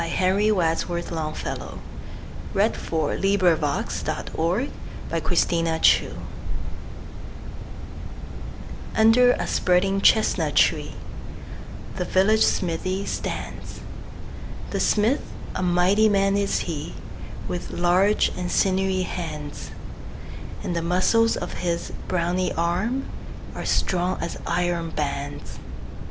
Henry Wadsworth Longfellow 778. The Village Blacksmith UNDER a spreading chestnut tree The village smithy stands; The smith, a mighty man is he, With large and sinewy hands; And the muscles of his brawny arm Are strong as iron bands.